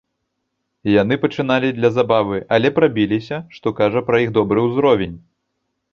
Яны пачыналі для забавы, але прабіліся, што кажа пра іх добры ўзровень.